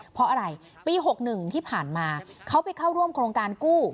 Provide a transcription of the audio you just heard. เพราะอะไรปี๖๑ที่ผ่านมาเขาไปเข้าร่วมโครงการกู้